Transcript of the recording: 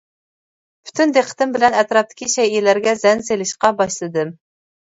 پۈتۈن دىققىتىم بىلەن ئەتراپتىكى شەيئىلەرگە زەن سېلىشقا باشلىدىم.